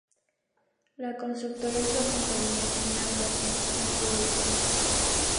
La constructora es la compañía china Broad Sustainable Building.